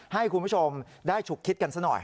ให้คุณผู้ชมได้ฉุกคิดกันซะหน่อย